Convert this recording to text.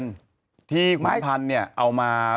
ไม้ที่ขุนพันธุ์ทั้งนั้นแหละ